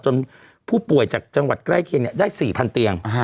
ผู้ป่วยจากจังหวัดใกล้เคียงได้๔๐๐เตียง